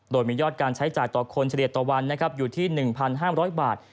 โดยมียอดการใช้จ่ายต่อคนเฉลี่ยต่อวันนะครับอยู่ที่๑๕๐๐บาท